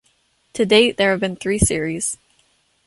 To date there have been three series.